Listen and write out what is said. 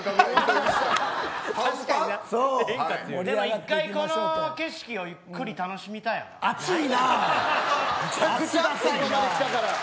１回、この景色をゆっくり楽し熱いな。